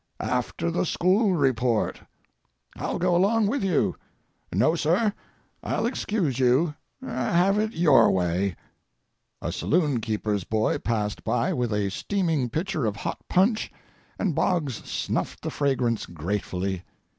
"After the school report." "I'll go along with you." "No, Sir. I'll excuse you." "Have it your own way." A saloon keeper's boy passed by with a steaming pitcher of hot punch, and Boggs snuffed the fragrance gratefully.